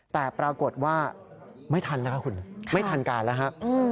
แต่ปรากฏว่าไม่ทันนะคะคุณไม่ทันก่อนแล้วค่ะ